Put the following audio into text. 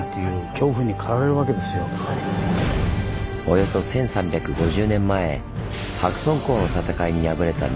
およそ１，３５０年前白村江の戦いに敗れた日本。